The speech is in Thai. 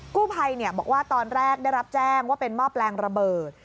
กู้ภัยบอกว่าตอนแรกได้รับแจ้งว่าเป็นหม้อแปลงระเบิด